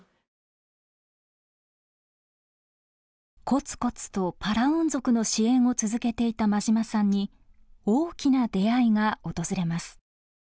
コツコツとパラウン族の支援を続けていた馬島さんに大きな出会いが訪れます。